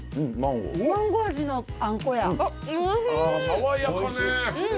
爽やかね。